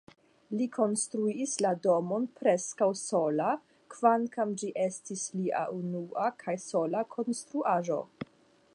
Li konstruis la domon preskaŭ sola, kvankam ĝi estis lia unua kaj sola konstruaĵo.